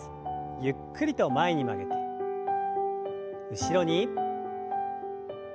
ゆっくりと前に曲げて後ろに。